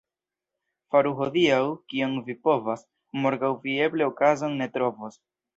Faru hodiaŭ, kion vi povas — morgaŭ vi eble okazon ne trovos.